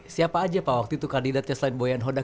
siapa aja pak waktu itu kandidatnya selain boyan hodak